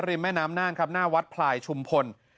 แม่น้ำน่านครับหน้าวัดพลายชุมพล